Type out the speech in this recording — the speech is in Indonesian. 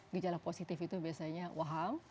gejala positif itu biasanya waham